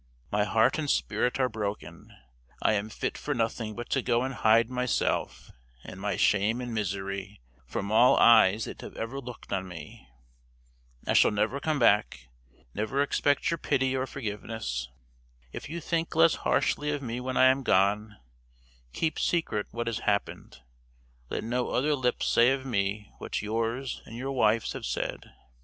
My heart and spirit are broken. I am fit for nothing but to go and hide myself, and my shame and misery, from all eyes that have ever looked on me. I shall never come back, never expect your pity or forgiveness. If you think less harshly of me when I am gone, keep secret what has happened; let no other lips say of me what yours and your wife's have said.